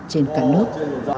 trên cả nước